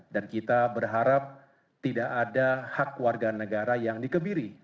dan kita berharap tidak ada hak warga negara yang dikebiri